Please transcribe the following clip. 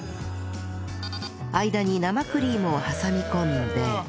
間に生クリームを挟み込んで